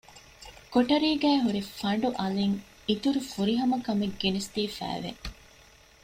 ކޮޓަރީގައި ހުރި ފަނޑު އަލިން އިތުރު ފުރިހަމަކަމެއް ގެނެސްދީފައި ވެ